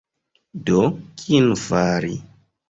Do, kion fari?